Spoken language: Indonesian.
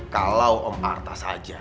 kalau om arta saja